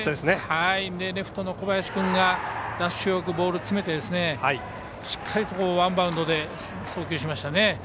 レフトの小林君がボールを詰めてしっかりとワンバウンドで送球しましたね。